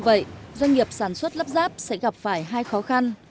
vậy doanh nghiệp sản xuất lắp ráp sẽ gặp phải hai khó khăn